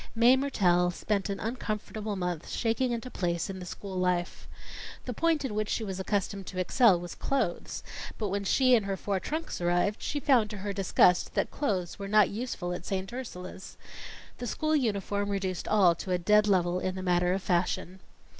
Mae Mertelle spent an uncomfortable month shaking into place in the school life. The point in which she was accustomed to excel was clothes, but when she and her four trunks arrived, she found to her disgust that clothes were not useful at St. Ursula's. The school uniform reduced all to a dead level in the matter of fashion.